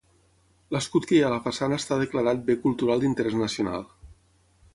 L'escut que hi ha a la façana està declarat bé cultural d'interès nacional.